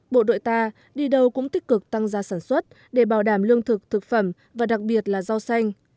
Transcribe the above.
bộ đội ta đi đâu cũng tích cực tăng ra sản xuất để bảo đảm lương thực thực phẩm và đặc biệt là rau xanh